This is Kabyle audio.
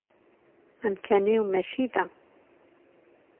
Amkan-iw mačči da.